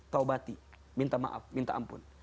taubati minta maaf minta ampun